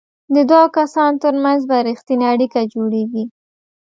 د دوو کسانو ترمنځ به ریښتینې اړیکه جوړیږي.